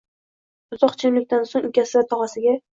Uzoq jimlikdan so‘ng ukasi va tog‘asiga: